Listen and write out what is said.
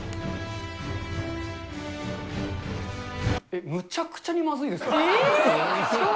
えっ、むちゃくちゃにまずいですよ。